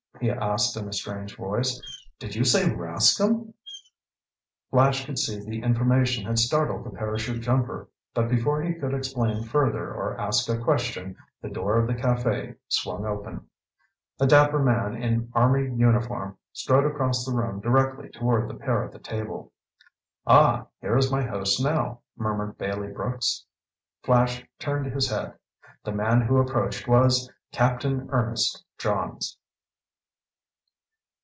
he asked in a strange voice. "Did you say Rascomb?" Flash could see that the information had startled the parachute jumper. But before he could explain further or ask a question, the door of the café swung open. A dapper man in army uniform strode across the room directly toward the pair at the table. "Ah, here is my host now," murmured Bailey Brooks. Flash turned his head. The man who approached was Captain Ernest Johns.